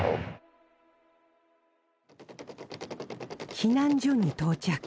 避難所に到着